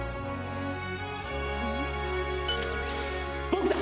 僕だ！